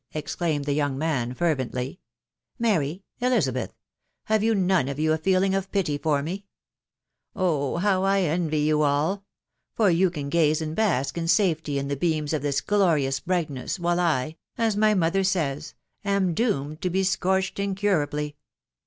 exclaimed the young man fervently ...." Mary !.... Elisabeth !.... have you none of you a feeling of pity for me ?.•.. Oh ! how I envy you all !.... for you can gaze and bask in safety in the beams of this glorious brightness, while I, as my mother says, am doomed to be scorched incurably